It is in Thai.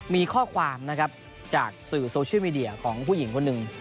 มีข้อความนะครับจากสื่อโซเชียลมีเดียของผู้หญิงคนหนึ่ง